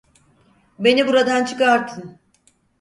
Beni buradan çıkartın!